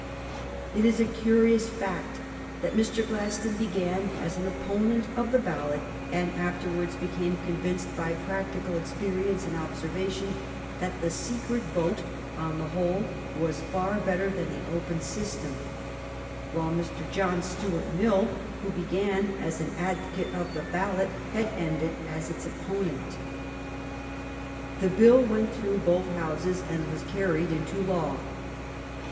It is a curious fact that Mr. Gladstone began as an opponent of the ballot, and afterwards became convinced by practical experience and observation that the secret vote, on the whole, was far better than the open system ; while Mr. John Stuart Mill, who began as an advocate of the ballot, had ended as its opponent. The bill went through both Houses, and was carried into law.